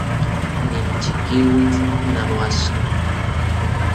Nin chikiuitl namoaxka.